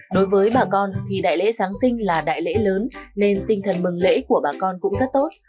đối với bà con khi đại lễ giáng sinh là đại lễ lớn nên tinh thần mừng lễ của bà con cũng rất tốt